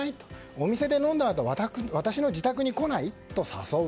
お店で飲んだあと私の自宅に来ない？と誘う。